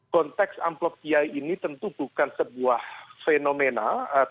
konteks amplop kiai ini tentu bukan sebuah fenomena